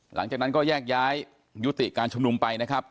หลังจากนั้นก็แยกย้ายยุติการชุมนุมไปนะครับ